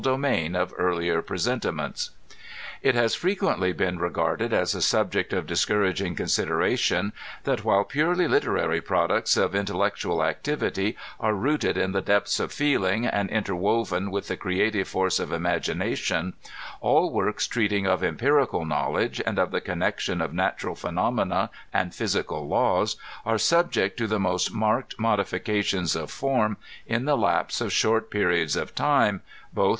do main of earlier presentiments. It has frequently been regarded as a subject of discouraging consideration, that while purely literary products of intellect ual activity are rooted in the depths of feeling, and interwoven with the creative force of imagination, all works treating of empirical knowledge, and of the connection of natural phe nomena and physical laws, are subject to the most marked modifications of fbrni in the lapse of short periods of time, both xii author's preface.